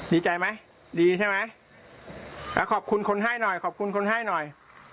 ดีใจไหมดีใช่ไหมขอบคุณคนให้หน่อยขอบคุณคนให้หน่อย